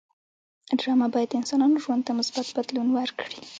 ډرامه باید د انسانانو ژوند ته مثبت بدلون ورکړي